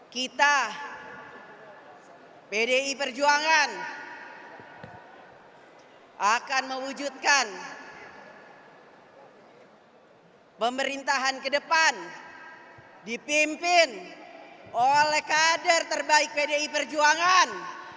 kita pdi perjuangan akan mewujudkan pemerintahan ke depan dipimpin oleh kader terbaik pdi perjuangan